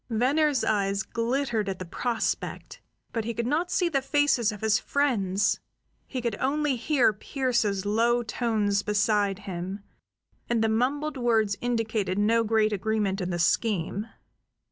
Venner's eyes glittered at the prospect; but he could not see the faces of his friends; he could only hear Pearse's low tones beside him, and the mumbled words indicated no great agreement in the scheme.